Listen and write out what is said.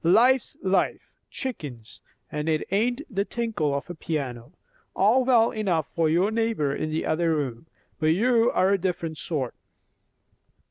Life's life, chickens; and it ain't the tinkle of a piano. All well enough for your neighbour in the other room; but you're a different sort."